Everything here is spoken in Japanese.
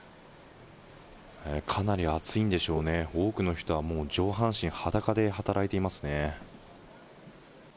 かなり暑いんでしょうね、多くの人はもう上半身裸で働いていますね。